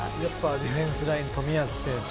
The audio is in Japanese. ディフェンスライン冨安選手。